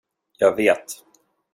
Jag vet.